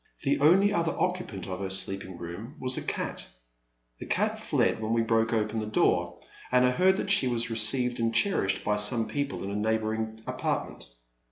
The only other occupant of her sleeping room was a cat. The cat fled when we broke open the door, and I heard that she was received and cherished by some people in a neigh boring apartment.